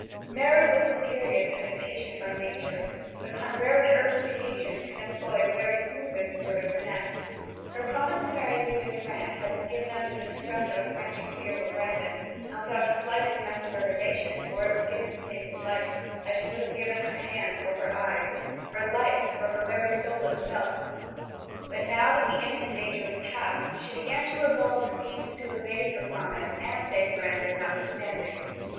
Mary was imperious and impatient, by nature, but upon rare and urgent occasions could employ the very smoothest sort of finesse. Her promise to marry Louis of France had been given under the stress of a frantic fear for Brandon, and without the slightest mental reservation, for it was given to save his life, as she would have given her hands or her eyes, her life or her very soul itself; but now that the imminent danger was passed she began to revolve schemes to evade her promise and save Brandon notwithstanding.